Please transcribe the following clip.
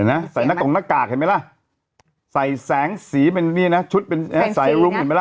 ใส่หน้ากงหน้ากากเห็นไหมล่ะใส่แสงสีเป็นนี่นะชุดเป็นสายรุ้งเห็นไหมล่ะ